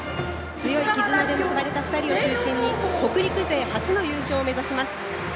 強い絆で結ばれた２人を中心に北陸勢初の優勝を目指します。